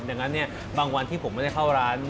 ดังนั้นบางวันที่ผมไม่ได้เข้าร้าน